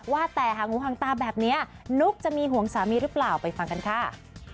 ว่าแต่หางูห่างตาแบบนี้นุ๊กจะมีห่วงสามีหรือเปล่าไปฟังกันค่ะ